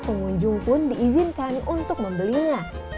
pengunjung pun diizinkan untuk membelinya